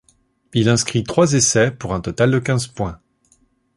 Il inscrit trois essais, pour un total de quinze points.